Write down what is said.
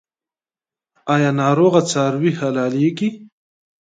آیا ناروغه څاروي حلاليږي؟